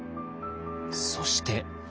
そして。